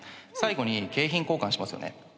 最後に景品交換しますよね